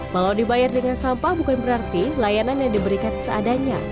walau dibayar dengan sampah bukan berarti layanan yang diberikan seadanya